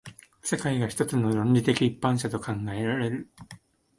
世界が一つの論理的一般者と考えられる。